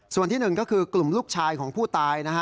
ส่วนที่๑ก็คือกลุ่มลูกชายของผู้ตาย